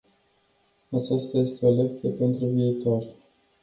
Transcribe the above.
Aceasta este o lecție pentru viitor.